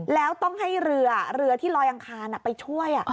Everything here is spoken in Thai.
แล้วต้องให้เรือเรือที่ลอยอังคารไปช่วย